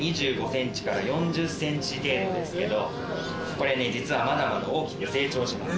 これね実はまだまだ大きく成長します。